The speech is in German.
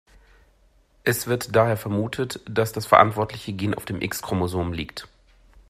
Es wird daher vermutet, dass das verantwortliche Gen auf dem X-Chromosom liegt.